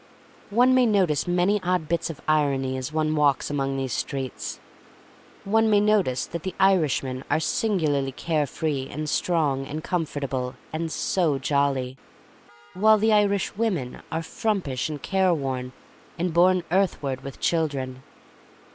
One may notice many odd bits of irony as one walks among these. One may notice that the Irishmen are sin gularly carefree and strong and com fortable — and so jolly! while the Irish women are frumpish and careworn and borne earthward with children.